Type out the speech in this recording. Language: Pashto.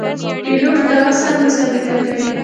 پیلوټ د وخت سره مسابقه کوي.